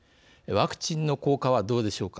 ワクチンの効果はどうでしょうか。